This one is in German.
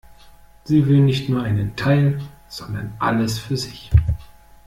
Sie will nicht nur einen Teil, sondern alles für sich.